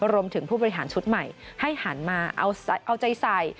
รวมถึงผู้บริหารชุดใหม่ให้หันมาเอาใจใส่